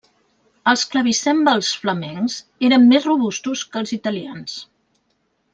Els clavicèmbals flamencs eren més robustos que els italians.